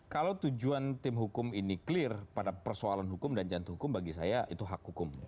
kalau tujuan tim hukum ini clear pada persoalan hukum dan jantung hukum bagi saya itu hak hukumnya